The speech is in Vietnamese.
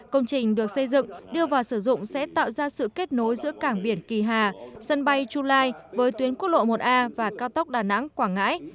công trình được xây dựng đưa vào sử dụng sẽ tạo ra sự kết nối giữa cảng biển kỳ hà sân bay chu lai với tuyến quốc lộ một a và cao tốc đà nẵng quảng ngãi